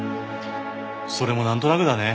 それもなんとなくだね。